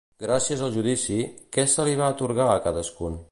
Gràcies al judici, què se li va atorgar a cadascun?